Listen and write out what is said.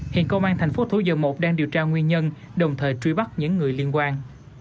hiện công an thành phố thủ dầu một đang điều tra nguyên nhân đồng thời truy bắt những người liên quan